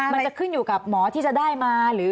มันจะขึ้นอยู่กับหมอที่จะได้มาหรือ